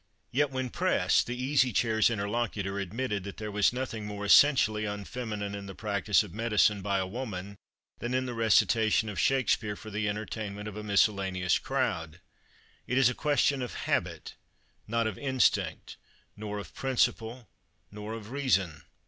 Yet, when pressed, the Easy Chair's interlocutor admitted that there was nothing more essentially unfeminine in the practice of medicine by a woman than in the recitation of Shakespeare for the entertainment of a miscellaneous crowd. It is a question of habit, not of instinct, nor of principle, nor of reason.